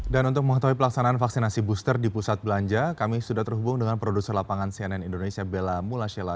dan untuk mengatasi pelaksanaan vaksinasi booster di pusat belanja kami sudah terhubung dengan produser lapangan cnn indonesia bella mulasela